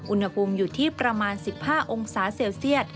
อุณหภูมิอยู่ที่ประมาณ๑๕องศาเซลเซียต